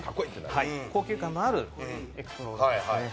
高級感のあるエクスプローラーですね。